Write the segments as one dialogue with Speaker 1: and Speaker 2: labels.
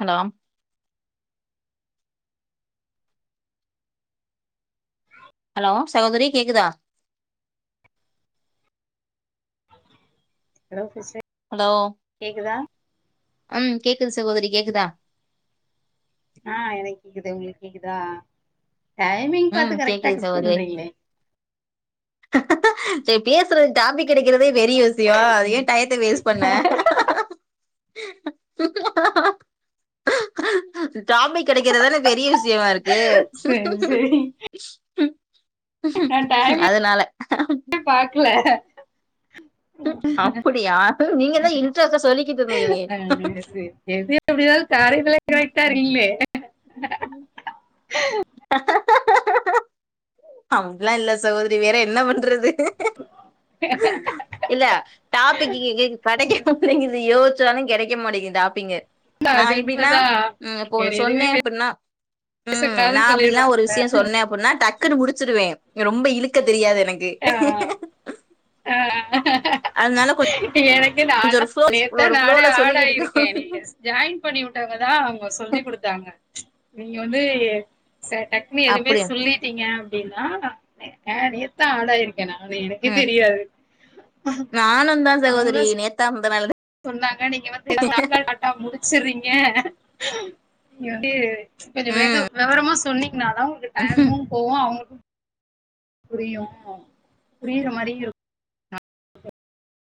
Speaker 1: hello சகோதரி கேக்குதா
Speaker 2: hello sister
Speaker 1: hello
Speaker 2: கேக்குதா
Speaker 1: ம் கேக்குது சகோதரி கேக்குதா
Speaker 2: ஆ எனக்கு கேக்குது உங்களுக்கு கேக்குதா டைமிங்
Speaker 1: ம்
Speaker 2: பாத்து கரெக்டா
Speaker 1: கேக்குது
Speaker 2: கட் பண்றீங்ளே
Speaker 1: சேர் பேசுறதுக்கு டாபிக் கெடைக்கறதே பெரிய வி யோ அத ஏன் டயத்த வேஸ்ட் பண்ண டாபிக் கெடைக்கறதானே பெரிய விஷயமா இருக்கு
Speaker 2: சரி சரி
Speaker 1: கு
Speaker 2: நா டைமே
Speaker 1: அதனால
Speaker 2: பாக்கல
Speaker 1: அப்படிய நீங்கதா இன்ட்ரெஸ்ட்டா சொல்லிக்கிட்டு இருந்தீங்களே
Speaker 2: எ எது எப்டினாளு காரியத்துல கரட்டா இருக்கீங்ளே
Speaker 1: [inaudible] அப்டிலா இல்ல சகோதரி வேற என்னா பண்றது இல்ல டாப்பிக்கு கடைக்கே மாட்டங்கிது யோசிச்சாலு கெடைக்க மாட்டேங்கிது டாப்பிங்கு நா
Speaker 2: அது
Speaker 1: இப்பின்னா
Speaker 2: உண்மதா
Speaker 1: ம் இப்ப
Speaker 2: வேற
Speaker 1: ஒன்னு
Speaker 2: எதுவுமே
Speaker 1: சொன்னே அப்பின்னா ம் ந
Speaker 2: பேசக்கூடாதுன்னு
Speaker 1: இப்டில்லா
Speaker 2: சொல்லிடுறாங்க
Speaker 1: ஒரு விஷய சொன்னே அப்டின்னா டக்குன்னனு முடிச்சருவே ரொம்ப இழுக்க தெரியாது எனக்
Speaker 2: அ அ
Speaker 1: அதனால கொஞ்
Speaker 2: எனக்கே நாதா நேத்தா நானே
Speaker 1: ஃப்ளோல சொல்லிக்கிட்டு
Speaker 2: ஆடாயிருக்கே
Speaker 1: இருக்கோ
Speaker 2: நீங்க ஜாயின் பண்ணி உட்டவங்கதா அவுங்க சொல்லிக்குடுத்தாங்க நீங்க வந்து ச டக் இன்னு எதுவுமே
Speaker 1: அப்டியா
Speaker 2: சொல்லிட்டீங்க அப்டின்னா நா அ நேத்தா ஆடாயிருக் ஏனா வந்து எனக்கே
Speaker 1: ம்
Speaker 2: தெரியாது அ
Speaker 1: நானுந்தா
Speaker 2: அவுங்கதா
Speaker 1: சகோதரி
Speaker 2: சொ
Speaker 1: நேத்தா முந்தநாள்
Speaker 2: சொன்னாங்க நீங்க வந்து லாட்டாலாட்டா முடிச்சறீங்க நீங்க வந்து கொஞ்சோ வேக
Speaker 1: ம்
Speaker 2: வெவரமா சொன்னீங்கன்னாதா கொஞ்சோ டைமு போவு அவங்களு புரியு புரியற மாரியு இருக்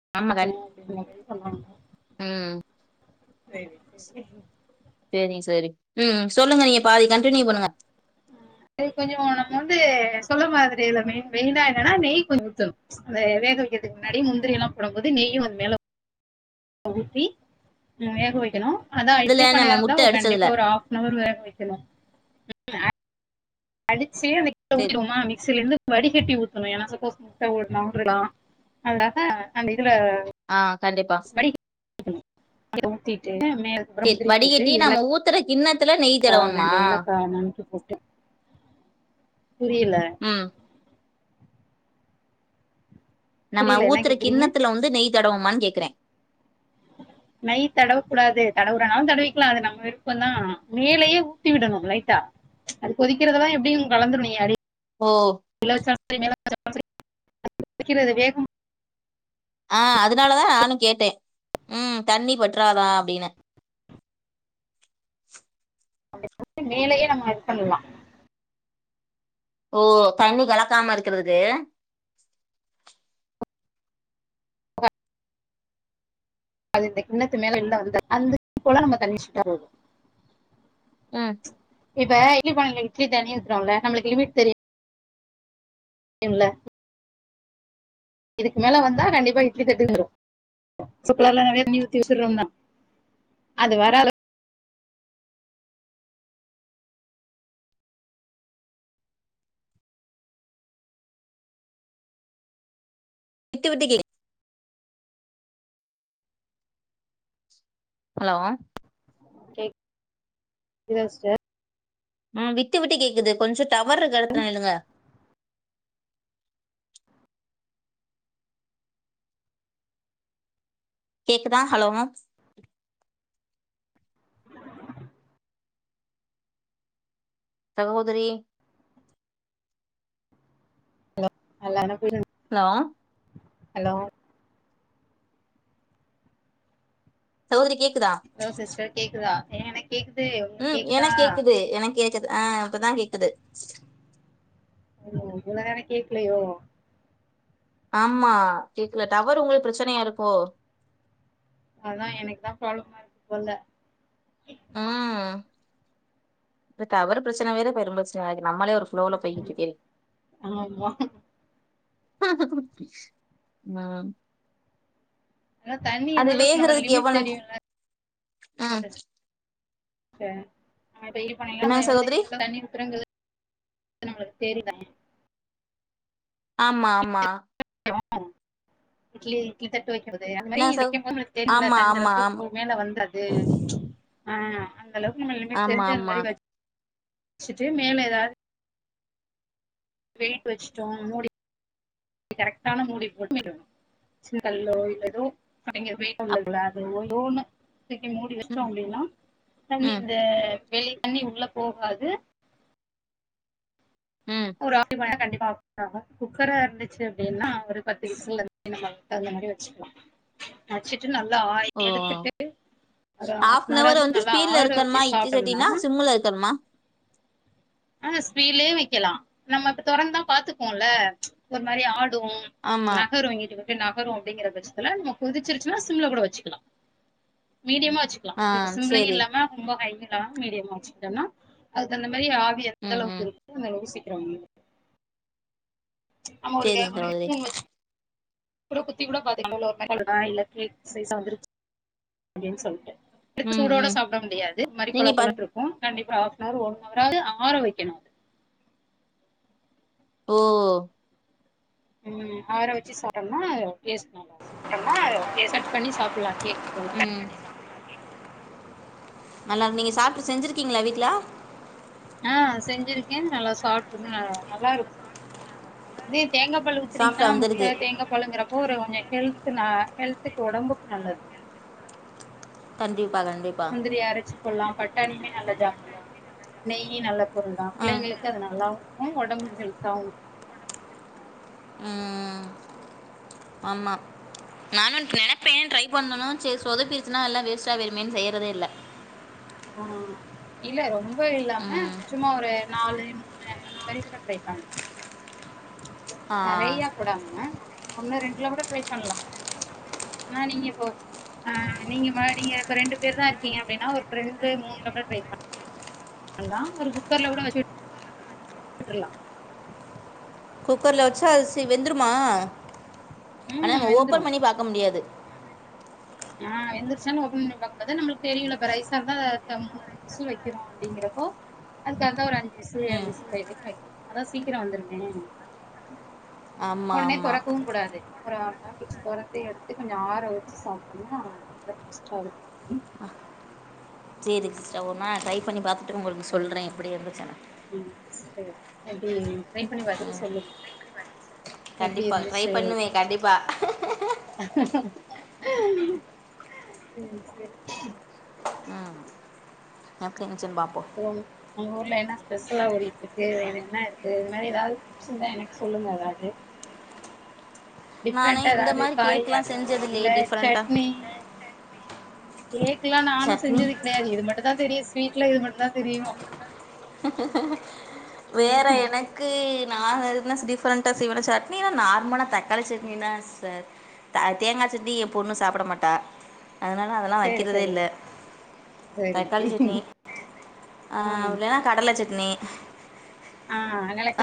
Speaker 1: ஆமா கண்
Speaker 2: எல்லாமே சொல்றாங்
Speaker 1: ம்
Speaker 2: சரி சரி
Speaker 1: சேரி சேரி ம் சொல்லுங்க நீங்க பாதி கண்டினியூ பண்ணுங்க
Speaker 2: நெய் கொஞ்ச வோனு போது சொல்ல மரத்துட்ட இதுல மெய் மெயின்னா என்னன்னா நெய் கொஞ்சோ ஊத்தணு சே வேக வைக்கறதுக்கு முன்னாடி முந்திரில்லா போடும் போது நெய்யு அதுமேல ஊத்தி வேக வைக்கணு அதா
Speaker 1: இதுல
Speaker 2: இட்லி
Speaker 1: நம்ம
Speaker 2: பானையா இருந்தா
Speaker 1: முட்ட
Speaker 2: ஒரு
Speaker 1: அடிச்சதுல
Speaker 2: கண்டிப்பா ஒரு ஆஃப் னவர் வேகவைக்கணு அடிச்சு மிக்
Speaker 1: சேரி
Speaker 2: ஊத்திடுவோமா மிக்சில இருந்து வடிகட்டி ஊத் ஏனா சப்போஸ் முட்ட ஓட்னா கூட இர்கலா அதனால அந்த இதுல
Speaker 1: ஆ கண்டிப்பா
Speaker 2: [inaudible] ஊத்திட்டு மேற்புரா முதிரி போட்டு ஏலக்
Speaker 1: உத்தர கின்னத்துல நெய்
Speaker 2: கா
Speaker 1: தடவணுமா
Speaker 2: ரெண்டு ஏலக்கா நருக்கி போட்டு புரியல
Speaker 1: ம் நம்ம
Speaker 2: புரியல என்ன
Speaker 1: ஊத்துற
Speaker 2: கேக்குறீங்க
Speaker 1: கிண்ணத்துல வந்து நெய் தடவோமான் கேக்குறே
Speaker 2: நைய் தடவக்க கூடாது தடவுறனாலு தடவிக்கலா அது நம்ம விருப்பந் தா மேலயே ஊத்தி விடணு லைட்டா அது கொதிக்கிறதுதா எப்டியு கலந்துரு நீ அரி
Speaker 1: ஓ
Speaker 2: கில வெச்சாலு செரி மேல வெச்சலு சரி வைக்க [inaudible]
Speaker 1: ஆ அதனாலதா நானு கேட்டே ம் தண்ணி பற்றாதா அப்டினு
Speaker 2: [inaudible] மேலயே நம்ம இது பண்லா
Speaker 1: ஓ தண்ணி கலக்காம இருக்கறது
Speaker 2: அது இந்த கிண்ணத்து மேல இருந்த வந்த அந்த போல நம்ம தண்ணிச்சுட்டா போது
Speaker 1: ம்
Speaker 2: இப்ப இட்லி பானைல இட்லி தண்ணி ஊத்தரோலா நம்பளுக்கு லிமிட் தெரி யுல்ல இதுக்கு மேல வந்தா கண்டிப்பா இட்லி தட்டுவரு சுக்கர்லலா தண்ணி ஊத்தி விசுல் வந்தா அது வரளவ்
Speaker 1: விட்டு விட்டு கே ஹலோ
Speaker 2: கேக் துத சிஸ்டர்
Speaker 1: ம் விட்டு விட்டு கேக்குது கொஞ்சோ டவர் இர்க எடத்துல நில்லுங்க கேக்குதா ஹலோ மேம் சகோதிரி
Speaker 2: [unintelligible]
Speaker 1: ஹலோ
Speaker 2: ஹலோ
Speaker 1: சகோதிரி கேக்குதா
Speaker 2: ஹலோ சிஸ்டர் கேக்குதா ஆ எனக்கு கேக்குது உங்களுக்கு
Speaker 1: ம்
Speaker 2: கேக்குதா
Speaker 1: எனக்கு கேக்குது எனக்கு கேக்குது ஆ இப்பதா கேக்குது
Speaker 2: ம் இவ்ளோ நேரோ கேக்கலயோ
Speaker 1: ஆமா கேக்கல டவர் உங்களுக்கு பிரச்சனையா இருக்கோ
Speaker 2: அதா எனக்குதா ப்ராப்ளமா இருக்கு போல
Speaker 1: ம் டவர் பிரச்சன வேற பெரும் பிரச்சனயா இருக்கு நம்மளே ஒரு ஃப்ளோ போயிகிட்ருக்கே
Speaker 2: ஆமா
Speaker 1: ஆ
Speaker 2: ஆனா தண்ணி
Speaker 1: அது
Speaker 2: எந்த அளவுக்கு நம்ம
Speaker 1: வேகறதுக்கு
Speaker 2: லிமிட்
Speaker 1: எவ்ளோ
Speaker 2: தெரியுல
Speaker 1: ம் என்னங்க சகோதரி
Speaker 2: [unintelligible] தண்ணி உத்துரங்குறது நம்மளுக்கு தெரிதா
Speaker 1: ஆமா ஆமா
Speaker 2: [unintelligible] இட்லி இட்லி தட்டு வைக்கிறது அந்த
Speaker 1: நா
Speaker 2: மாரி
Speaker 1: ச
Speaker 2: வைக்கும் போது உங்களுக்கு தெரியும் லா
Speaker 1: ஆமா
Speaker 2: தண்ணி
Speaker 1: ஆமா ஆமா
Speaker 2: அளவுக்கு மேல வந்தது ஆ அந்த அளவுக்கு நம்ம லிமிட்
Speaker 1: ஆமா
Speaker 2: தெரிஞ்சு அந்த
Speaker 1: ஆமா
Speaker 2: மாரி வச் சுட்டு மேல ஏதா வெயிட் வச்சுட்டோ முடி கரெக்டான மூடி [unintelligible] சின்ன கல்லோ இல்ல எதோ அப்ப இங்க
Speaker 1: அப்
Speaker 2: வேணுலங்கா [unintelligible] தூக்கி மூடி வச்சோ
Speaker 1: ம்
Speaker 2: அப்டின்னா தண்ணி
Speaker 1: ம்
Speaker 2: இந்த வெளிய தண்ணி உள்ள போகாது
Speaker 1: ம்
Speaker 2: ஒரு [unintelligible] கண்டிப்பா குக்கர இருந்துச்சு அப்டின்னா ஒரு பத்து விசுல நம தகுந்தமாரி வச்சுக்கலா நச்சுட்டு நல்லா
Speaker 1: ஓ
Speaker 2: ஆயில் எடுத்துட்டு ஒரு ஹாஃப்னவர் ஆது
Speaker 1: வந்து
Speaker 2: நல்லா
Speaker 1: ஸ்பீட்ல
Speaker 2: ஆற வச்சு
Speaker 1: இருக்கணுமா இட்லி
Speaker 2: சாப்டம்னா
Speaker 1: சட்டினா சிம்முல இருக்கணுமா
Speaker 2: ஆ ஸ்விலே வைக்கலா நம்ம இப்ப துறந்துந்தா பாத்துக்குவோம்ல ஒரு மாரி ஆடு
Speaker 1: ஆமா
Speaker 2: நகரு இங்கிட்டுக்கு நகரு அப்டிங்கிற பட்சத்துல நம்ம கொதிச்சிருச்சுனா சிம்ல கூட வச்சுக்கலா மீடியமா
Speaker 1: ஆ
Speaker 2: வச்சு சிம்லயும்
Speaker 1: சேரி
Speaker 2: இல்லாம ரொம்ப ஹை ல ம் இல்லாம மீடியமா வச்சுகிட்டோனா அதுக்குதகுந்த மாரி ஆவி
Speaker 1: ம்
Speaker 2: எந்தளவுக்கு
Speaker 1: ம்
Speaker 2: [unintelligible] அந்த [unintelligible] சிக்கிரோ ஆமா
Speaker 1: சேரிங்க
Speaker 2: [unintelligible]
Speaker 1: சகோதரி
Speaker 2: ஹேட்போன் வச்சு கூட குத்தி கூட பாத்தீங் ப்டின் சொல்ட்டு
Speaker 1: ம்
Speaker 2: சுடோட
Speaker 1: ம்
Speaker 2: சாப்ட முடியாது ஒரு மாரி
Speaker 1: நீங்க
Speaker 2: கொல
Speaker 1: ப
Speaker 2: கொலன்னு இருக்கு கண்டிப்பா ஹாஃப்னார் ஓன்னார் அது ஆர வைக்கணும்
Speaker 1: ஓ
Speaker 2: ம் ஆற வச்சு சாப்டோனா டேஸ்ட் நல்லாருக்கு போல
Speaker 1: ம் நல்லாரு நீங்க சாப்ட்டு செஞ்சிருக்கீங்களா வீட்ல
Speaker 2: ஆ செஞ்சிருக்கே நல்லா சாப்டருக்கு ஆ நல்லாருக்கு இதுலயே தேங்கா பால்
Speaker 1: சாஃப்டா
Speaker 2: ஊத்திரிங்கனா
Speaker 1: வந்திருக்கு
Speaker 2: முட்ட தேங்கப் பால்லுங்கிறப்போ ஒரு ஹெல்த்துனா ஹெல்த்துக்கு ஒடம்புக்கு நல்லது
Speaker 1: கண்டிப்பா கண்டிப்பா
Speaker 2: இது மாரி அரச்சு போல்லாம் பட்டாணியுமே நல்லதாம்லா நெய்யும் நல்ல பொருலாம்
Speaker 1: ஆ
Speaker 2: பிள்ளைங்களுக் க்கு அது நல்லாவு இருக்கும் ஒடம்புக்கு ஹெல்த்தாவும் இர்
Speaker 1: ம் ம் ஆமா நானு நெனப்பே ட்ரை பண்ணனும் செரி சொதப்பிடிச்சுன்னா எல்லா வேஸ்டா வேய்றமேன் செய்யறதே இல்ல
Speaker 2: ஆ இல்ல ரொம்ப இல்லாம
Speaker 1: ம்
Speaker 2: சும்மா ஒரு நாலு மூணு அந்த மாரி கூட ட்ரை பண்லா
Speaker 1: ஆ
Speaker 2: நெறைய கூடாம ஒண்ணு ரெண்டுல கூட ட்ரை பண்லா ஆனா நீங்க இப்போ ஆ நீங்க நீங்க இப்ப ரெண்டு பேரு தா இருக்கீங்க அப்டின்னா ஒரு ரெண்டு மூண்ல கூட ட்ரை பண் வந்தா ஒரு குக்கர்ல கூட வச்சுட் விட்ருலா
Speaker 1: குக்கர்ல வச்சா அரிசி வெந்துருமா ஆனா
Speaker 2: ம்
Speaker 1: நம்ம
Speaker 2: வெந்துரு
Speaker 1: ஓப்பன் பண்ணி பாக்க முடியாது
Speaker 2: ஆ வெந்திருச்சான் ஓப்பன் பண்ணி பாக்க கூடாது அதா நம்ப்ளுக் தெரியுல இப்ப ரைஸ்ஸாருந்தா தம் சு வெக்கணு அப்டிங்கிறப்போ அதுக்காக தா ஒரு அஞ்சு விசுல் ஏழு
Speaker 1: ம்
Speaker 2: விசுல் எ வெக்கலா அதா சீக்கிரோ வெந்திருமே
Speaker 1: [inaudible]
Speaker 2: ஒன்னே
Speaker 1: ஆமாம்
Speaker 2: தொறக்கவு கூடாது ஒரு ஆஃப்ன்னவர் கழ்ச்சி தொறந்து எடுத்து கொஞ்சோ ஆற வச்சு சாப் ட்டோன்னா ரொம்ப டேஸ்ட்டா இருக்
Speaker 1: சேரிங் சிஸ்டர் ஒரு நாள் ட்ரை பண்ணி பாத்துட்டு உங்களுக்கு சொல்ற எப்படி இருந்துச்சுன்னு
Speaker 2: ம் சரி எப்டி இருந்துன் ட்ரை பண்ணி பாத்துட்டு
Speaker 1: ம்
Speaker 2: சொல்லுங்க எப்டி
Speaker 1: கண்டிப்பாக ட்ரை பண்ணுவேன்
Speaker 2: இருந்துச்சுன்ட்டு
Speaker 1: கண்டிப்பாக
Speaker 2: சேர் சேர்
Speaker 1: ஓகேங்க சிம்பாப்
Speaker 2: உங் உங்க ஊர்ல என்ன ஸ்பெஷலா ஓடிட்ருக்கு என்ன இருக்கு இது மாரி எதாவ் சின்னா எனக் சொல்லுங்க எதாவ்து
Speaker 1: நான்
Speaker 2: டிஃப்ரெண்டா
Speaker 1: இந்த
Speaker 2: எதாவ்து
Speaker 1: மாதிரி
Speaker 2: காய்
Speaker 1: கேக்லாம்
Speaker 2: அந்த மாதிரி
Speaker 1: செஞ்சது இல்லையே
Speaker 2: இல்ல
Speaker 1: டிஃப்ரெண்ட்டாக
Speaker 2: சட்னி கேக்குல்லா நானு
Speaker 1: சட்னி
Speaker 2: செஞ்சது கெடயாது இது மட்டு தா தெரியு ஸ்வீட்ல இது மட்டு தா தெரியு
Speaker 1: வேற எனக் கு நா எதுன்னா டிஃப்ரெண்டா செய்வனா சட்னின்னா நார்மலா தக்காளி சட்னி தா சிஸ்டர் அ தேங்கா சட்னி என் பொண்ணு சாப்பிட மாட்டா அதனால அதெல்லா
Speaker 2: சேரி
Speaker 1: வைக்கிறதே
Speaker 2: சேரி
Speaker 1: இல்ல
Speaker 2: சேரி
Speaker 1: தக்காளி சட்னி ஆ இல்லன்னா கடல சட்னி
Speaker 2: ஆ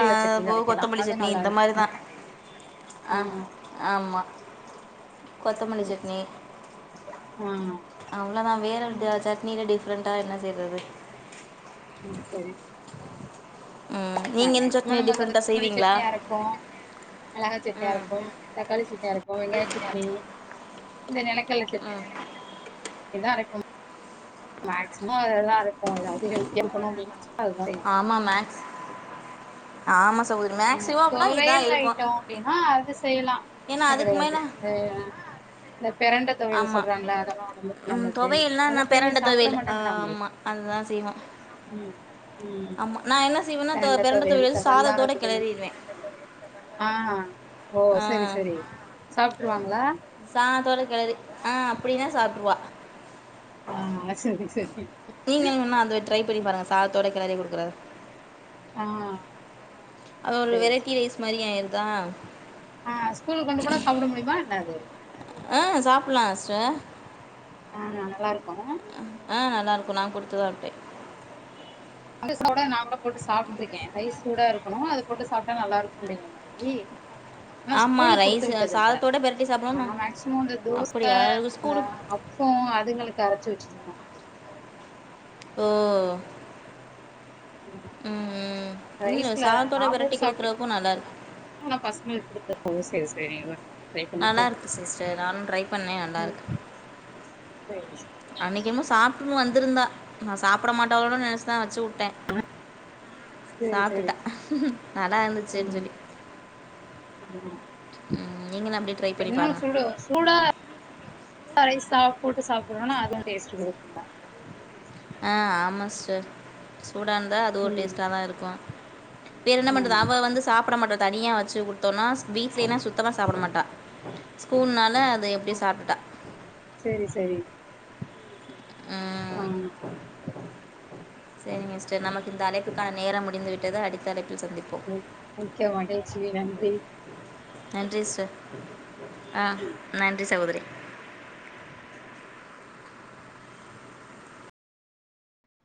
Speaker 1: அ
Speaker 2: சட்னி
Speaker 1: அப்புறோ
Speaker 2: அரைக்கலா
Speaker 1: கொத்தமல்லி
Speaker 2: அது
Speaker 1: சட்னி
Speaker 2: நல்லா
Speaker 1: இந்த
Speaker 2: இருக்கு
Speaker 1: மாரிதா
Speaker 2: ஆ
Speaker 1: அ ஆமா கொத்தமல்லி
Speaker 2: சேரி
Speaker 1: சட்னி
Speaker 2: சேரி ஆ
Speaker 1: அவ்ளோதா வேறெந்த சட்னியில டிஃப்ரெண்டா என்ன செய்றது
Speaker 2: ம் சரி நா
Speaker 1: நீங்கள் என்ன
Speaker 2: மேக்சிமம்
Speaker 1: சட்னி
Speaker 2: நம்ம அந்த
Speaker 1: டிஃப்ரெண்ட்டாக
Speaker 2: கொத்தமல்லி
Speaker 1: செய்வீங்களா
Speaker 2: சட்னி அரைப் ப்போ மெளகா சட்னி
Speaker 1: ம்
Speaker 2: அரைப்போ தக்காளி சட்னி அரைப்போ வெங்காய சட்னி இந்த நிலக்கல்ல சட்
Speaker 1: ம்
Speaker 2: இதா அரைப்போ மேக்சிமோ அதெல்லா அரைப்போ எதாவ்து ரெஸ்ட் எடுக்கனு அப்டின் நெனச்சோனா அது மாரி
Speaker 1: ஆமா மேக்ஸ் ஆமாம் சகோதரி மேக்ஸிமம் அப்படின்னா
Speaker 2: தொவையல்
Speaker 1: இதுதான் இருக்கும்
Speaker 2: ஐட்டோ அப்டின்னா அது செய்லா
Speaker 1: ஏன்னா
Speaker 2: பிரச்சன
Speaker 1: அதுக்கு மேலே
Speaker 2: கெடயாது செய்லா இந்த பெரண்ட தொவையல்
Speaker 1: ஆமாம்
Speaker 2: சொல்றாங்ள அதெல்லா ஒடம்புக்கு
Speaker 1: ம்,
Speaker 2: நல்லது
Speaker 1: துவையல்னா
Speaker 2: அதல்லா
Speaker 1: நான்
Speaker 2: பிள்ளைங்க
Speaker 1: பிரண்ட
Speaker 2: சாப்பிட
Speaker 1: துவையல்
Speaker 2: மாட்டேங்கிறாங்களே
Speaker 1: ஆமாம் அதுதான் செய்வோம்
Speaker 2: ம் ம்
Speaker 1: ஆமாம் நான் என்ன செய்வேன்னா தொ-
Speaker 2: தேங்கா
Speaker 1: பிரண்ட
Speaker 2: தொவையல்
Speaker 1: துவையல்
Speaker 2: இந்த
Speaker 1: வந்து
Speaker 2: வல்லார
Speaker 1: சாதத்தோட
Speaker 2: வையல்
Speaker 1: கிளறிடுவேன்
Speaker 2: ஆ ஓ சரி சரி சாப்ட்டுருவாங்ளா
Speaker 1: சாதோட கெழரி ஆ அப்டினா சாப்ட்ருவா
Speaker 2: ஆ சரி சரி
Speaker 1: நீங்க வேணா அத ட்ரை பண்ணி பாருங்க சாதத்தோட கெளரி குடுக்குற
Speaker 2: ஆ
Speaker 1: அ ஒரு
Speaker 2: சரி சரி
Speaker 1: வெரைட்டி ரைஸ் மாரி ஆய்ருதா
Speaker 2: ஆ ஸ்கூலுக் கொண்டு போனா சாப்ட முடிமா என்ன அது
Speaker 1: ஆ சாப்புல்லா சிஸ்ட
Speaker 2: ஆ நல்லா இருக்கு
Speaker 1: ஆ நல்லா இருக்கு நா குடுத்துதா உட்டே
Speaker 2: [inaudible] நா கூட போட்டு சாப்ட்ருக்கே ரைஸ் சூடா இருக்கணு அதப் போட்டு சாப்ட்டா நல்லாருக்கு அப்டின்ற மாரி ஆனா
Speaker 1: ஆமாம்
Speaker 2: ஸ்கூலுக் குடுத்து
Speaker 1: ரைஸ்
Speaker 2: விட்டதில்ல
Speaker 1: சாதத்தோட பெரட்டி
Speaker 2: நா
Speaker 1: சாப்பிடணும்
Speaker 2: மேக்சிமம் இந்த தோச
Speaker 1: அப்படியா எனக்கு
Speaker 2: இந்த
Speaker 1: ஸ்கூலு
Speaker 2: அப் பொ அதுங்களுக்கு அரச்சு வச்சுருவ
Speaker 1: ஓ ம் ம் இல்ல
Speaker 2: ரைஸ்ல நா
Speaker 1: சாதத்தோட பெரட்டி
Speaker 2: போட்டு சாப்ட்டுருக்கேன்
Speaker 1: குடுக்குறப்போ நல்லாருக்
Speaker 2: ஆனா பசங்களுக்கு குடுத்த [inaudible] ஓ சேரி சேரி
Speaker 1: நல்லாருக்கு சிஸ்டர் நானு ட்ரை பண்ணே நல்லாருக்கு
Speaker 2: சேரி
Speaker 1: என்னமோ சாப்ட்டுனு வந்துருந்தா நா சாப்ட மாட்டாங்களோன் நெனச்சுதா வச்சு உட்டே
Speaker 2: சரி சரி
Speaker 1: சாப்ட்டுட்டா நல்லா
Speaker 2: ஆ
Speaker 1: இருந்துச்சுன் சொல்லி ம், நீங்களும் அப்படியே ட்ரை பண்ணி
Speaker 2: என்ன
Speaker 1: பாருங்கள்
Speaker 2: சூடு சூடா [unintelligible] ரைஸ் சாப்புட்டு சாப்புட்றோனா அதுவு டேஸ்ட்டு குடுக்குங்க
Speaker 1: ஆ ஆமா சிஸ்டர் சூடான்ந்தா அது ஒரு
Speaker 2: ம்
Speaker 1: டேஸ்ட்டா தா இருக்கு வேற என்ன பண்றது
Speaker 2: ஆமா
Speaker 1: அவ வந்து சாப்ட மாட்டா தனியா வச்சு குடுத்தோன்னா வீட்லேனா சுத்தமா சாப்ட மாட்டா ஸ்கூல்னால அ த எப்டியோ சாப்டுட்டா
Speaker 2: சேரி சேரி ஆ
Speaker 1: சேரிங்க சிஸ்டர் நமக்கு இந்த அழைப்புக்கான நேரம் முடிந்து விட்டது அடுத்த அழைப்பில் சந்திப்
Speaker 2: மிக்க மகிழ்ச்சி நன்றி
Speaker 1: நன்றி சிஸ்ட ஆ நன்றி சகோதரி